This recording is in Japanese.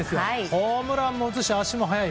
ホームランも打つし足も速い。